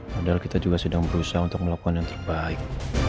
padahal kita juga sedang berusaha untuk melakukan yang terbaik